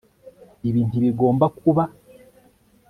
ibi ntibigomba kuba